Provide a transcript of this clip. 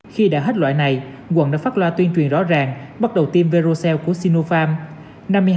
khi đã hết loại này quận đã phát loa tuyên truyền rõ ràng bắt đầu tiêm verocel của sinopharm